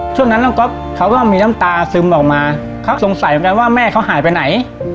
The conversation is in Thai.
ช่วงนั้นน้องก๊อฟเขาก็มีน้ำตาซึมออกมาเขาสงสัยเหมือนกันว่าแม่เขาหายไปไหน